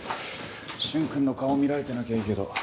瞬くんの顔を見られてなきゃいいけど。